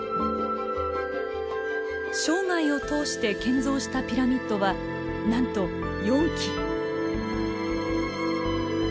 生涯を通して建造したピラミッドはなんと４基。